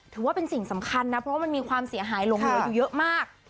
ถือว่าเป็นสิ่งสำคัญนะเพราะว่ามันมีความเสียหายหลงเหลืออยู่เยอะมาก